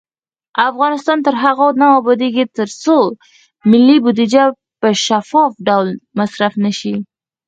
افغانستان تر هغو نه ابادیږي، ترڅو ملي بودیجه په شفاف ډول مصرف نشي.